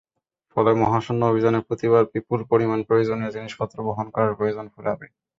ফলে মহাশূন্য অভিযানে প্রতিবার বিপুল পরিমাণ প্রয়োজনীয় জিনিসপত্র বহন করার প্রয়োজন ফুরাবে।